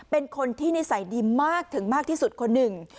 เป็นคนที่นิสัยดีมากถึงมากที่สุดคนหนึ่ง